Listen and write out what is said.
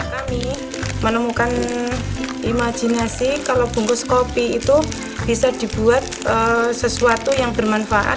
kami menemukan imajinasi kalau bungkus kopi itu bisa dibuat sesuatu yang bermanfaat